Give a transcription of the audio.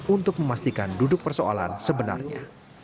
untuk memastikan duduk persoalan sebenarnya